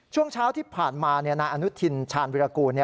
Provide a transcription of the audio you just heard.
ช่วงเช้าที่ผ่านมานายอนุทินชาญวิรากูล